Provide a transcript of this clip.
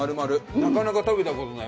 なかなか食べたことない。